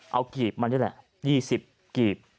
เอากีบมันด้วยแหละ๒๐กีบ